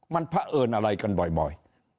มันเพราะเอิญอะไรกันบ่อย